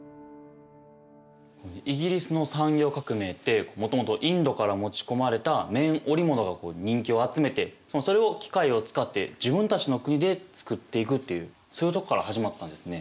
イギリスの産業革命ってもともとインドから持ち込まれた綿織物が人気を集めてそれを機械を使って自分たちの国で作っていくっていうそういうとこから始まったんですね。